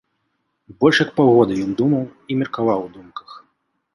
Больш як паўгода ён думаў, і меркаваў у думках.